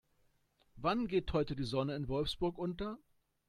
Wann geht heute die Sonne in Wolfsburg unter?